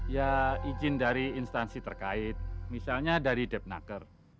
ya izin dari instansi terkait misalnya dari dep naker